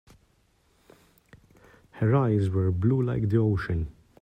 Her eyes were blue like the ocean.